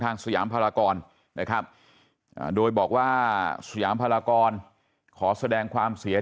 สยามพลากรนะครับโดยบอกว่าสยามพลากรขอแสดงความเสีย